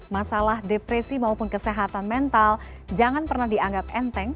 masalah depresi maupun kesehatan mental jangan pernah dianggap enteng